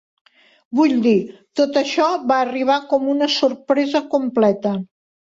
Vull dir, tot això va arribar com una sorpresa completa.